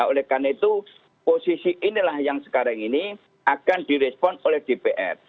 oleh karena itu posisi inilah yang sekarang ini akan direspon oleh dpr